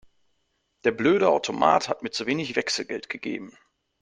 Der blöde Automat hat mir zu wenig Wechselgeld gegeben.